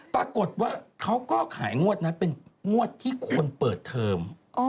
ปรากฏว่าเขาก็ขายงวดนั้นเป็นงวดที่คนเปิดเทอม